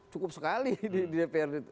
cukup sekali di dprd